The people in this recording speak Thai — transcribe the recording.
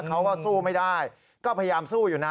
เขาก็สู้ไม่ได้ก็พยายามสู้อยู่นะ